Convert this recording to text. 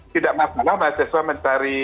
tidak masalah mahasiswa mencari